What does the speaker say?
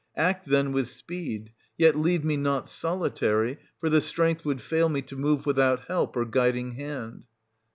Act, then, with speed ; 500 yet leave me not solitary ; for the strength would fail me to move without help or guiding hand.